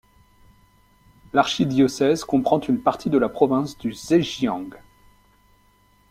L'archidiocèse comprend une partie de la province du Zhejiang.